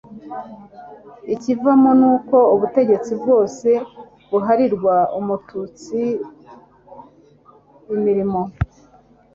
ikivamo n uko ubutegetsi bwose buharirwa umututsi imirimo